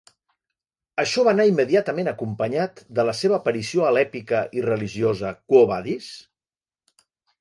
Això va anar immediatament acompanyat de la seva aparició a l'èpica i religiosa Quo Vadis?.